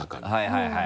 はいはい。